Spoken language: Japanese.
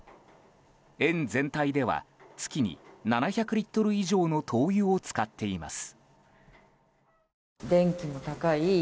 園全体では月に７００リットル以上の灯油を使っています。